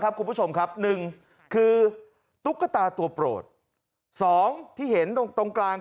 ครับคุณผู้ผู้ชมครับ๑คือตุ๊กตาตัวโปรด๒ที่เห็นตรงกลาง